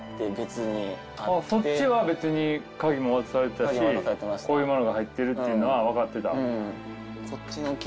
そっちは別に鍵も渡されてたしこういうものが入ってるっていうのは分かってた？